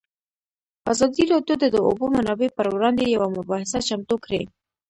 ازادي راډیو د د اوبو منابع پر وړاندې یوه مباحثه چمتو کړې.